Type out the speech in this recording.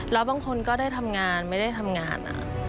แล้วบางคนก็ได้ทำงานไม่ได้ทำงาน